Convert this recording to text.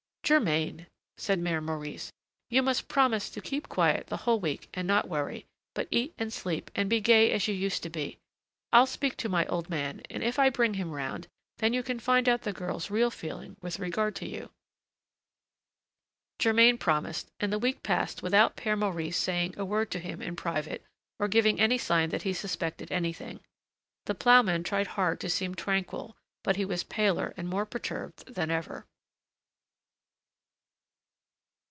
"Germain," said Mère Maurice, "you must promise to keep quiet the whole week and not worry, but eat and sleep, and be gay as you used to be. I'll speak to my old man, and if I bring him round, then you can find out the girl's real feeling with regard to you." Germain promised, and the week passed without Père Maurice saying a word to him in private or giving any sign that he suspected anything. The ploughman tried hard to seem tranquil, but he was paler and more perturbed than ever.